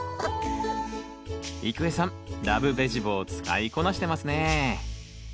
郁恵さん「らぶベジボー」使いこなしてますね。